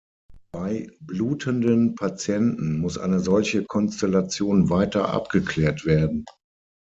Bei blutenden Patienten muss eine solche Konstellation weiter abgeklärt werden.